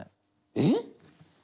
えっ？